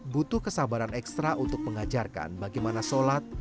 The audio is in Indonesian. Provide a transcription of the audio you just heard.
butuh kesabaran ekstra untuk mengajarkan bagaimana sholat